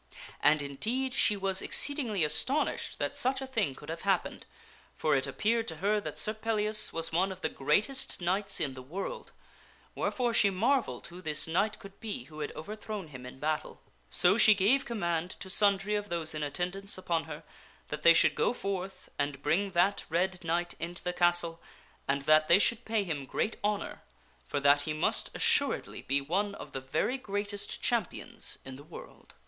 And indeed she was exceedingly astonished that such a thing could have happened ; for it appeared to her that Sir Pellias was one of the greatest knights in the world ; where fore she marvelled who this knight could be who had overthrown him in battle. So she gave command to sundry of those in attendance upon her that they should go forth and bring that red knight into the castle and that they should pay him great honor; for that he must assuredly be one of the very greatest champions in the world.